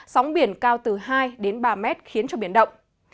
sóng biển cao từ hai đến ba mét khiến cho biển động